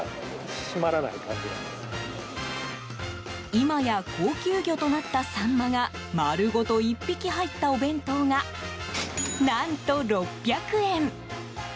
今や高級魚となったサンマが丸ごと１匹入ったお弁当が何と、６００円。